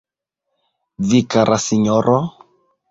Vi, kara sinjoro?